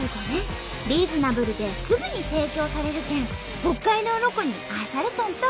リーズナブルですぐに提供されるけん北海道ロコに愛されとんと！